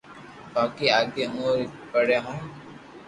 باقي آگي اومون ھي پڙو ھون